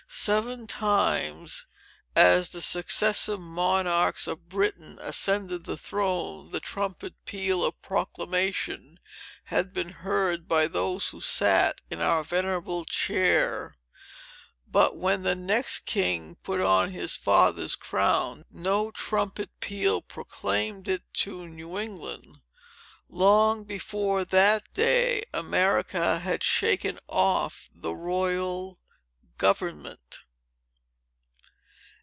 Seven times, as the successive monarchs of Britain ascended the throne, the trumpet peal of proclamation had been heard by those who sat in our venerable chair. But, when the next king put on his father's crown, no trumpet peal proclaimed it to New England! Long before that day, America had shaken off the royal government.